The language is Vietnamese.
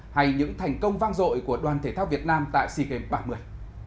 hay những thành công vang dội của đoàn thể thao việt nam tại sea games ba mươi